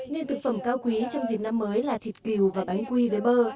nên thực phẩm cao quý trong dịp năm mới là thịt kiều và bánh quy với bơ